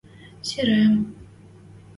Сирем...